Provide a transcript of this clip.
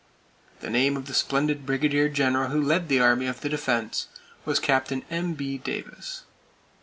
The name of the splendid Brigadier General who led the Army of the Defense was Capt. M.B. Davis.